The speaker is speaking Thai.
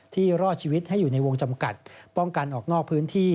รอดชีวิตให้อยู่ในวงจำกัดป้องกันออกนอกพื้นที่